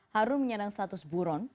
harun menyenang status buron